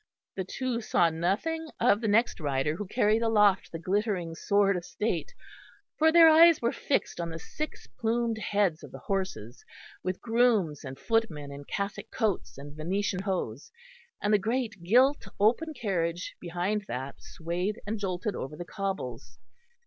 The two saw nothing of the next rider who carried aloft the glittering Sword of State, for their eyes were fixed on the six plumed heads of the horses, with grooms and footmen in cassock coats and venetian hose, and the great gilt open carriage behind that swayed and jolted over the cobbles.